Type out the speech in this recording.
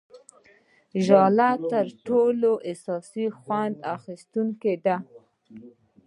ژله تر ټولو حساس خوند اخیستونکې ده.